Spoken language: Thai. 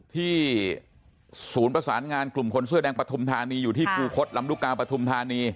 ศูนย์ประสานงานกลุ่มคนเสื้อแดงปฐุมธานีอยู่ที่คูคศลำลูกกาปฐุมธานี